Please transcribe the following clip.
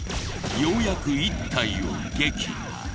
ようやく１体を撃破